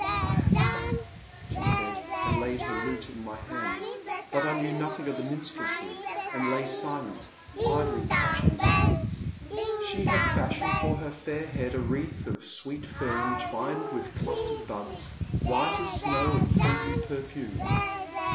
I have sung, she said, and laid her lute in my hands. But I knew nothing of minstrelsy and lay silent, idly touching the strings. She had fashioned for her fair head a wreath of sweet fern twined with clustered buds, white as snow and faintly perfumed.